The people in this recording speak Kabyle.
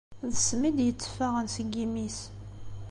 D ssem id-yetteffaɣen seg yimi-s.